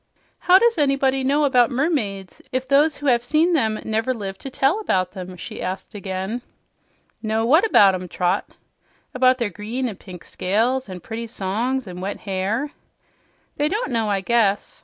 "How does anybody know about mermaids if those who have seen them never lived to tell about them?" she asked again. "Know what about 'em, Trot?" "About their green and pink scales and pretty songs and wet hair." "They don't know, I guess.